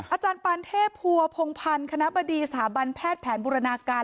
อาจารย์ปานเทพภัวพงพันธ์คณะบดีสถาบันแพทย์แผนบูรณาการ